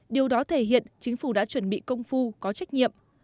điều đó thể hiện chính phủ đã chuẩn bị công phu có trách nhiệm